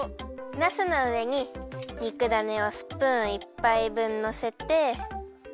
なすのうえににくだねをスプーン１ぱい分のせて。